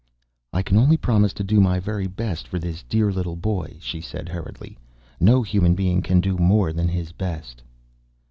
"I can only promise to do my very best for this dear little boy," she said hurriedly. "No human being can do more than his best."